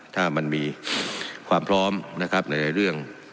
ถ้ามันมีความพร้อมนะครับในเรื่อง